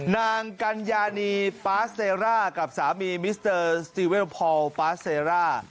กัญญานีปาสเตร่ากับสามีมิสเตอร์สติเวลพอลปาเซร่า